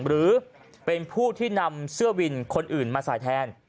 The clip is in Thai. หรือเป็นผู้ที่นำเสื้อวินคนอื่นมาใส่แทน